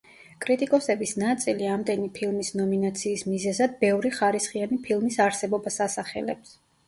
კრიტიკოსების ნაწილი, ამდენი ფილმის ნომინაციის მიზეზად ბევრი ხარისხიანი ფილმის არსებობას ასახელებს.